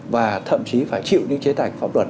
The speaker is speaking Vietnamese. và thậm chí phải chịu những chế tài pháp luật